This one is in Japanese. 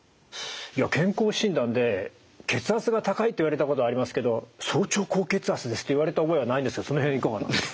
健康診断で血圧が高いと言われたことありますけど早朝高血圧ですと言われた覚えはないんですけどその辺いかがなんですか？